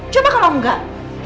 coba kalau enggak